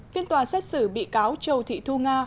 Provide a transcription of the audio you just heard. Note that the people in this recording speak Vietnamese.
phiên tòa xét xử bị cáo châu thị thu nga